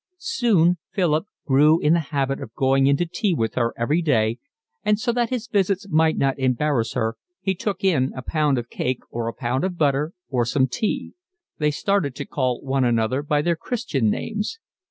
Soon Philip grew in the habit of going in to tea with her every day, and so that his visits might not embarrass her he took in a cake or a pound of butter or some tea. They started to call one another by their Christian names.